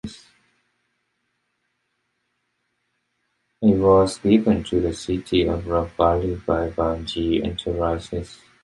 It was given to the City of Rock Valley by Van Zee Enterprises.